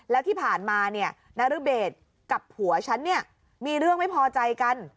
แล้วที่ผ่านมาเนี่ยนรเบศกับผัวฉันเนี่ยมีเรื่องไม่พอใจกัน